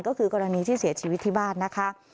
ก็คือกรณีที่เสียชีวิตที่บ้านนะคะ